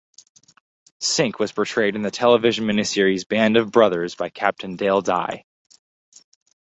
Sink was portrayed in the television miniseries "Band of Brothers" by Captain Dale Dye.